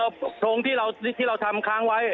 โรงที่เราทำค้างไว้